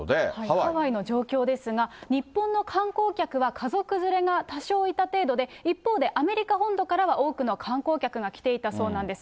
ハワイの状況ですが、日本の観光客は家族連れが多少いた程度で、一方で、アメリカ本土からは多くの観光客が来ていたそうなんです。